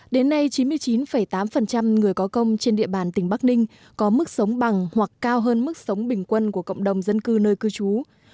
đến nay chín mươi chín tám người có công trên địa bàn tỉnh bắc ninh có mức sống bằng hoặc cao hơn mức sống bình quân của cộng đồng dân cư nơi cư trú